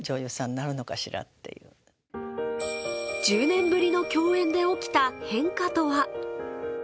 １０年ぶりの共演で起きた変化とは？